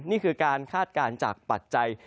นี่คือการคาดการณ์จากปัจจัย